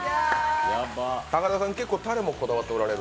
高田さん、たれもこだわっておられる？